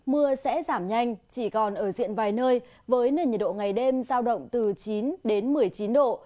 mưa sẽ giảm nhanh chỉ còn ở diện vài nơi với nền nhiệt độ ngày đêm giao động từ chín đến một mươi chín độ